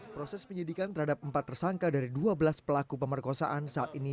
proses penyidikan terhadap empat tersangka dari dua belas pelaku pemerkosaan saat ini